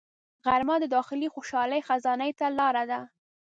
غرمه د داخلي خوشحالۍ خزانې ته لار ده